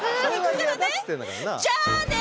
じゃあね！